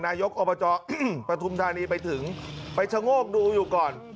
นายกอบจปฐุมธานีไปถึงไปชะโงกดูอยู่ก่อน